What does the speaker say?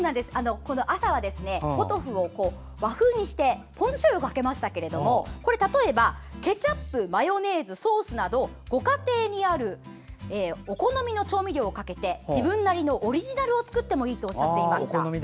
朝は、ポトフを和風にしてポン酢しょうゆをかけましたが例えば、ケチャップやマヨネーズソースなどご家庭にあるお好みの調味料をかけて自分なりのオリジナルを作ってもいいとおっしゃっていました。